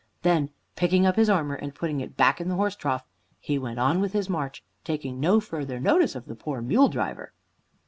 Then, picking up his armor and putting it back in the horse trough, he went on with his march, taking no further notice of the poor mule driver.